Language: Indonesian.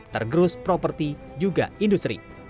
tergerus properti juga industri